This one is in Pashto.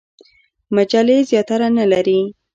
مجلې زیاتره نه لري.